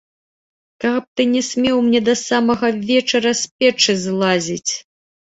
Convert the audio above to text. Каб ты не смеў мне да самага вечара з печы злазіць!